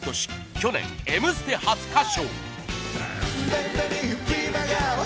去年『Ｍステ』初歌唱。